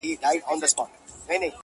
او بې جوړې زيارت ته راسه زما واده دی گلي~